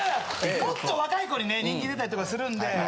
もっと若い子にね人気出たりとかするんで。